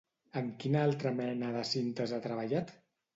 En quina altra mena de cintes ha treballat?